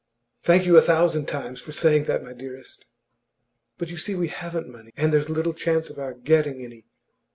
'Thank you a thousand times for saying that, my dearest.' 'But, you see, we haven't money, and there's little chance of our getting any.